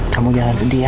kamu jangan sedih ya